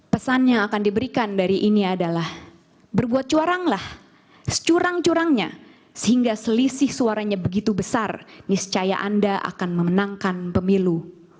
pesan yang akan diberikan dari ini adalah berbuat curanglah securang curangnya sehingga selisih suaranya begitu besar niscaya anda akan memenangkan pemilu